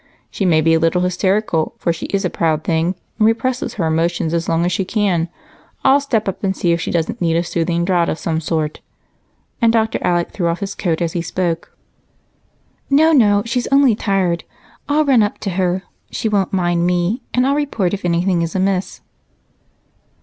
"She may be a little hysterical, for she is a proud thing and represses her emotions as long as she can. I'll step up and see if she doesn't need a soothing draft of some sort." And Dr. Alec threw off his coat as he spoke. "No, no, she's only tired. I'll run up to her she won't mind me and I'll report if anything is amiss."